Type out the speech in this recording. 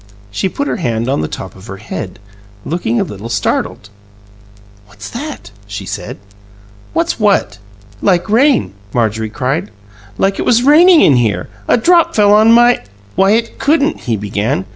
She put her hand on the top of her head, looking a little startled. "What's that?" she said. "What's what?" "Like rain!" Marjorie cried. "Like it was raining in here! A drop fell on my " "Why, it couldn't " he began.